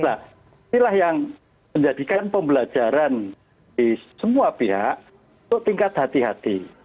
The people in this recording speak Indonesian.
nah inilah yang menjadikan pembelajaran di semua pihak untuk tingkat hati hati